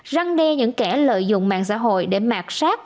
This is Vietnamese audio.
răng đe những kẻ lợi dụng mạng xã hội để mạc sát